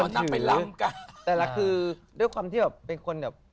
แต่ละคือด้วยความที่แบบเป็นคนแบบ